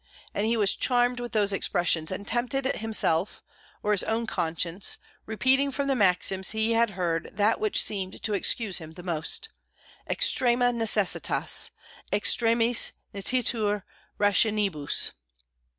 And he was charmed with those expressions, and tempted himself, or his own conscience, repeating from the maxims he had heard that which seemed to excuse him the most: "_Extrema necessitas, extremis nititur rationibus!